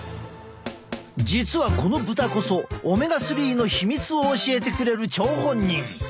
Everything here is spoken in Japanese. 実はこの豚こそオメガ３の秘密を教えてくれる張本人。